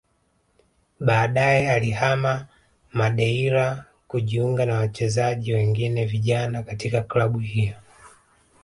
Baadaye alihama Madeira kujiunga na wachezaji wengine vijana katika klabu hiyo